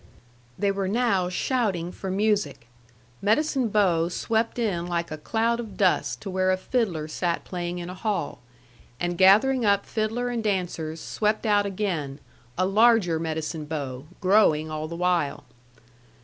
They were now shouting for music. Medicine Bow swept in like a cloud of dust to where a fiddler sat playing in a hall; and gathering up fiddler and dancers, swept out again, a larger Medicine Bow, growing all the while.